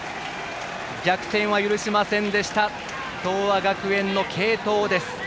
逆転は許しませんでした東亜学園の継投です。